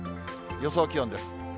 予想気温です。